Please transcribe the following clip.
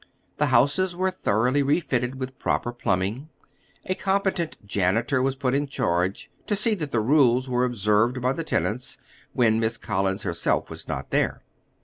The houses were thoroughly refitted with proper plumbing. A competent janitor was put in charge to see that the rules were observed by the tenants, when Miss Collins herself was not there.